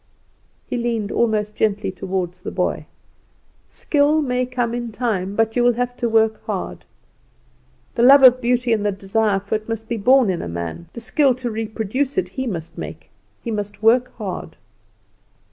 He leaned almost gently toward the boy. "Skill may come in time, but you will have to work hard. The love of beauty and the desire for it must be born in a man; the skill to reproduce it he must make. He must work hard."